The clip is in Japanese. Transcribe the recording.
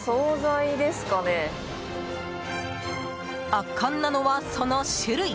圧巻なのは、その種類。